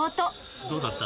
どうだった？